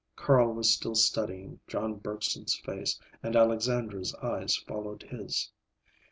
Carl was still studying John Bergson's face and Alexandra's eyes followed his.